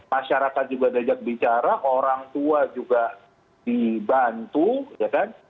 masyarakat juga diajak bicara orang tua juga dibantu ya kan